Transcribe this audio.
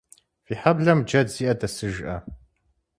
Фи хьэблэм джэд зиӏэ дэсыжкъэ?